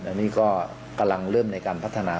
อันนี้ก็กำลังเริ่มในการพัฒนา